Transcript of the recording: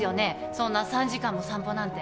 そんな３時間も散歩なんて